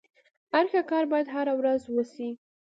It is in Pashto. هر ښه کار بايد هره ورځ وسي.